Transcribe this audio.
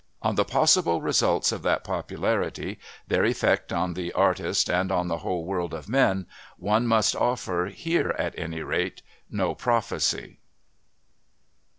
On the possible results of that popularity, their effect on the artist and on the whole world of men, one must offer, here at any rate, no prophecy.